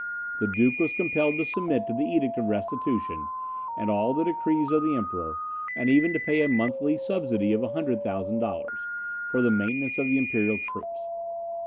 The duke was compelled to submit to the Edict of Restitution, and all the decrees of the Emperor, and even to pay a monthly subsidy of 100,000 dollars, for the maintenance of the imperial troops.